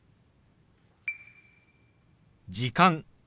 「時間」。